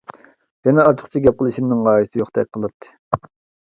يەنە ئارتۇقچە گەپ قىلىشىمنىڭ ھاجىتى يوقتەك قىلاتتى.